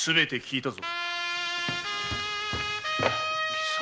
貴様